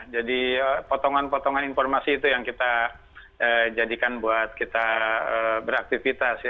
potongan potongan informasi itu yang kita jadikan buat kita beraktivitas